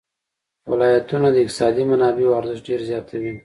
ولایتونه د اقتصادي منابعو ارزښت ډېر زیاتوي.